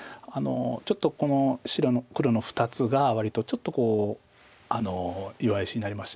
ちょっとこの黒の２つが割とちょっと弱い石になりまして。